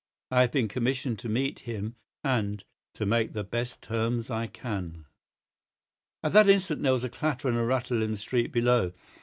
I have been commissioned to meet him, and—to make the best terms I can." At that instant there was a clatter and a rattle in the street below.